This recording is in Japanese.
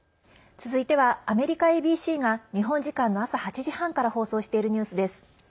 続いてはアメリカＡＢＣが日本時間の朝８時半から放送しているニュースです。